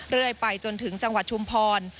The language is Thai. เรื่อยไปจนถึงจังหวัดชุมพร